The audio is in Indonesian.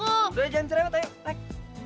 udah jangan cerewet ayo naik